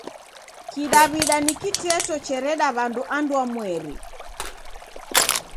Kidaw'ida ni kiteto chereda w'andu andwamweri.